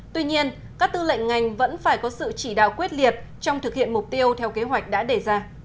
tuy nhiên các tư lệnh ngành vẫn phải có sự chỉ đạo quyết liệt trong thực hiện mục tiêu theo kế hoạch đã đề ra